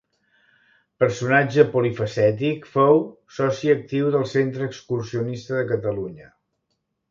Personatge polifacètic, fou soci actiu del Centre Excursionista de Catalunya.